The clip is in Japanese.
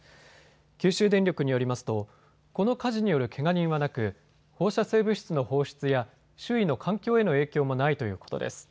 九州電力によりますとこの火事によるけが人はなく放射性物質の放出や周囲の環境への影響もないということです。